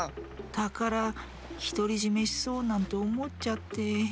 たからひとりじめしそうなんておもっちゃって。